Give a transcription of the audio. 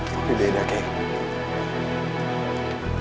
tapi beda kang